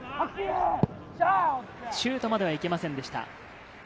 シュートまではいけませんでした。